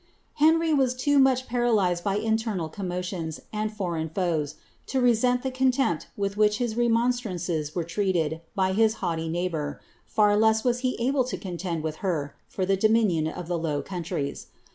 Henry was loo much paralyzed by internal ( and foreign foes to resent the contempt with which his were treated by his haughty neighbour, far less was he able to contetid with her for the dominion of the Low Countries.